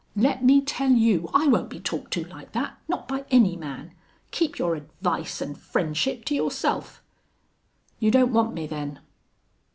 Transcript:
Let me tell you, I won't be talked to like that not by any man. Keep your advice an' friendship to yourself." "You don't want me, then?"